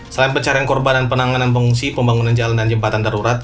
selain pencarian korban dan penanganan pengungsi pembangunan jalan dan jembatan darurat